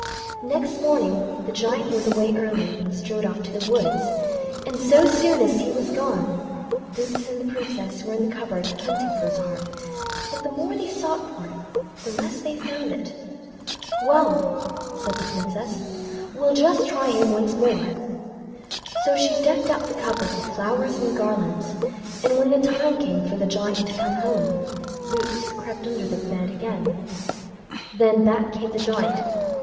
Next morning the Giant was away early, and strode off to the wood, and so soon as he was gone Boots and the Princess were in the cupboard hunting for his heart, but the more they sought for it, the less they found it. "Well", said the Princess, "we'll just try him once more." So she decked out the cupboard with flowers and garlands, and when the time came for the Giant to come home, Boots crept under the bed again. Then back came the Giant.